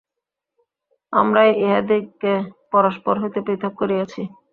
আমরাই উহাদিগকে পরস্পর হইতে পৃথক করিয়াছি।